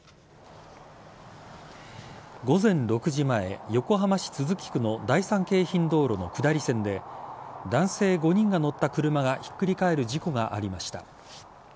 午前６時前、横浜市都筑区の第三京浜道路の下り線で男性５人が乗った車がひっくり返る事故がありました。